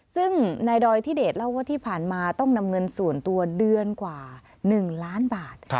ซึ่งนายดอยทิเดชเล่าว่าที่ผ่านมาต้องนำเงินส่วนตัวเดือนกว่า๑ล้านบาท